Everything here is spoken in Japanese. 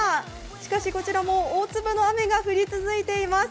しかし、こちらも大粒の雨が降り続いています。